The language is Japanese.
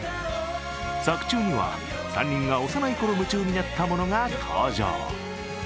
作中には、３人が幼いころ夢中になったものが登場。